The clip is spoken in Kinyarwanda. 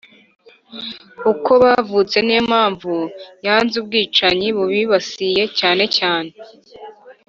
uko bavutse Ni yo mpamvu yanze ubwicanyi bubibasiye cyane cyane